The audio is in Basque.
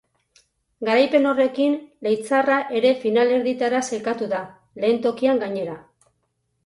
Garaipen horrekin leitzarra ere finalerdietara sailkatu da, lehen tokian, gainera.